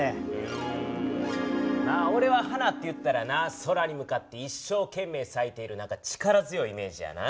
おれは花っていったらな空に向かって一生けん命さいている力強いイメージやな。